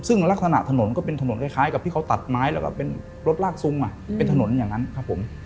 ซึ่งลักษณะถนนก็เป็นถนนคล้ายกับที่เขาตัดไม้แล้วก็เป็นรถลากซุงเป็นถนนอย่างนั้นครับผม